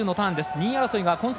２位争いが混戦。